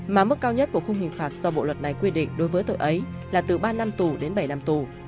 mà mức cao nhất của khung hình phạt do bộ luật này quy định đối với tội ấy là từ ba năm tù đến bảy năm tù